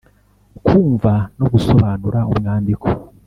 Kumva no gusobanura umwandiko